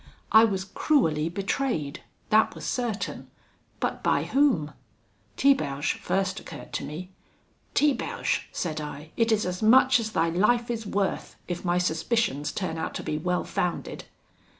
I was cruelly betrayed that was certain; but by whom? Tiberge first occurred to me. 'Tiberge!' said I, 'it is as much as thy life is worth, if my suspicions turn out to be well founded.'